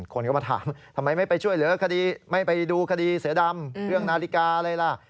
คนก็มาถามทำไมไม่ไปช่วยเหลือคดีไม่ไปดูคดีเสือดำเรื่องนาฬิกาอะไรล่ะ